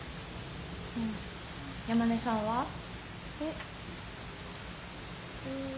山根さんは？えっ。